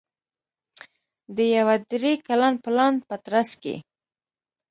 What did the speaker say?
د یوه درې کلن پلان په ترڅ کې